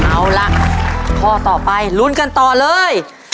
เอาล่ะข้อต่อไปลุ้นกันต่อเลย